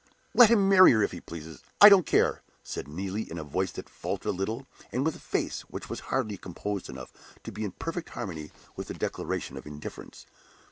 Let him marry her if he pleases; I don't care!" said Neelie, in a voice that faltered a little, and with a face which was hardly composed enough to be in perfect harmony with a declaration of indifference.